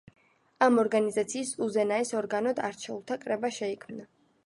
ამ ორგანიზაციის უზენაეს ორგანოდ არჩეულთა კრება შეიქმნა.